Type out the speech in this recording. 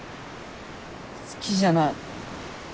好きじゃない。